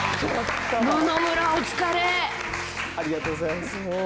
ありがとうございます。